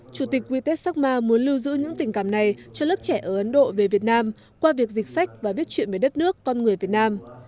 chủ tịch quy tiếc sắc ma muốn lưu giữ những tình cảm này cho lớp trẻ ở ấn độ về việt nam qua việc dịch sách và viết chuyện về đất nước con người việt nam